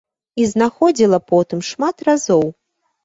І знаходзіла потым шмат разоў.